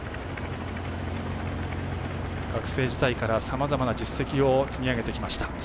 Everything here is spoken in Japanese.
学生時代からさまざまな実績を積み上げてきました。